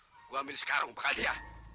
gue ambil sekarang pak adia